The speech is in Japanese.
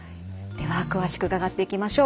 では詳しく伺っていきましょう。